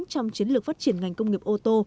trong chiến lược phát triển ngành công nghiệp ô tô